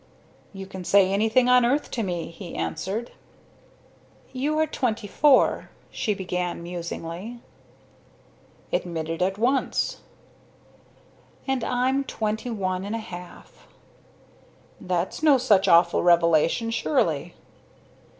"You can say anything on earth to me," he answered. "You are twenty four," she began, musingly. "Admitted at once." "And I'm twenty one and a half." "That's no such awful revelation, surely!"